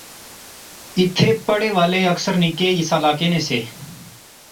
ایتھیں پڑھے والے اکثر نکے اس علاقے نے سے